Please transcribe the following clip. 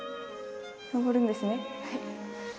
上るんですね。